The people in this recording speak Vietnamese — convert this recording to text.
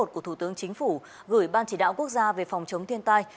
của thủ tướng chính phủ gửi ban chỉ đạo quốc gia về phòng chống thiên tai